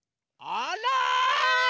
あら！